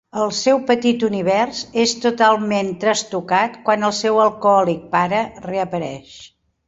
El seu petit univers és totalment trastocat quan el seu alcohòlic pare reapareix.